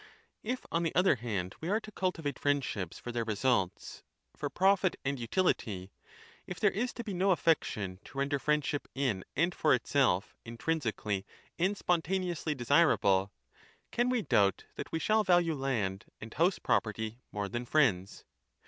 If on the other I hand we are to cultivate friendships for their results, for profit and utility ; if there is to be no affection to render friendship in and for itself, intrinsically and spontaneously, desirable ; can we doubt that we shall value land and house property more than fiiends